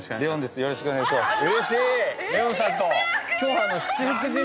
よろしくお願いします。